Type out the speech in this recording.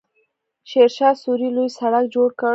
شیرشاه سوري لوی سړک جوړ کړ.